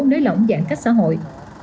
nới lỏng giãn cách xã hội